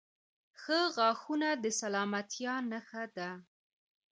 • ښه غاښونه د سلامتیا نښه ده.